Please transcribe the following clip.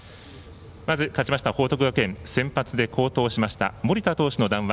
まず勝ちました報徳学園先発で好投しました盛田投手の談話。